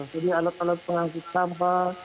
jadi alat alat penganggup tambah